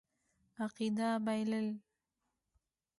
عقیده بایلل.